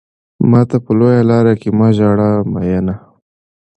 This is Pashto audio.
ماته په لويه لار کې مه ژاړه ميننه